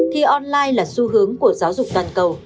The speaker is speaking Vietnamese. thì online là xu hướng của giáo dục toàn cầu